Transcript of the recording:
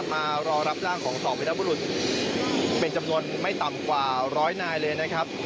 มารอรับร่างของสองวิรบุรุษเป็นจำนวนไม่ต่ำกว่าร้อยนายเลยนะครับ